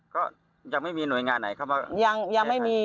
ก็ยังไม่มีหน่วยงานไหนเข้ามา